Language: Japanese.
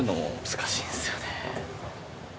難しいですよね。